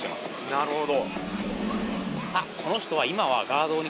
なるほど。